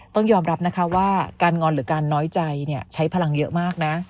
ต้องยอมรับนะคะว่าการงอนหรือการน้อยใจใช้พลังเยอะมากนะ